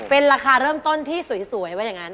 เป็นราคาเริ่มต้นที่สวยว่าอย่างนั้น